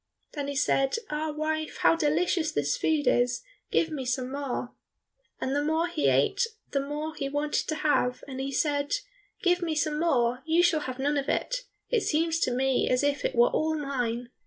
Then he said, "Ah, wife, how delicious this food is, give me some more." And the more he ate the more he wanted to have, and he said, "Give me some more, you shall have none of it. It seems to me as if it were all mine."